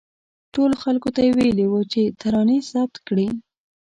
ټولو خلکو ته ویلي وو چې ترانې ثبت کړي.